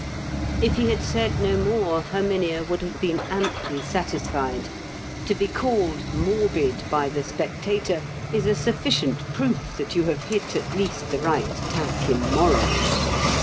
If he had said no more, Herminia would have been amply satisfied. To be called morbid by the Spectator is a sufficient proof that you have hit at least the right tack in morals.